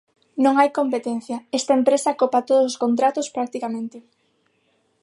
Non hai competencia, esta empresa copa todos os contratos practicamente.